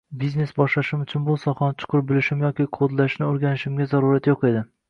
biznes boshlashim uchun bu sohani chuqur bilishim yoki kodlashni oʻrganishimga zarurat yoʻq edi.